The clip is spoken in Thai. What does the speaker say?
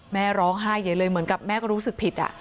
แม่ร้องไห้ใหญ่เลยเหมือนกับแม่ก็รู้สึกผิด